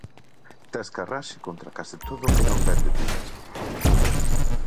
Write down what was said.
Tes carraxe contra case todo o que non ven de ti mesmo.